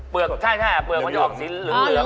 ใช่เปลือกมันจะออกสินเหลือง